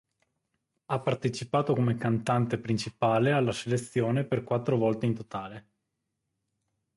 Ha partecipato come cantante principale alla selezione per quattro volte in totale.